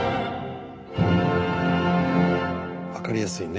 分かりやすいね。